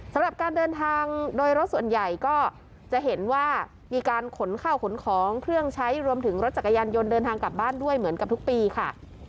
สำหรับการเดินทางโดยรถส่วนใหญ่ก็จะเห็นว่ามีการขนข้าวขนของเครื่องใช้รวมถึงรถจักรยานยนต์เดินทางกลับบ้านด้วยเหมือนกับทุกปีค่ะ